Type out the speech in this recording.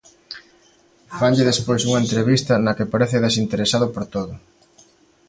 Fanlle despois unha entrevista na que parece desinteresado por todo.